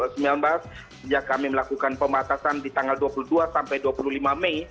sejak kami melakukan pembatasan di tanggal dua puluh dua sampai dua puluh lima mei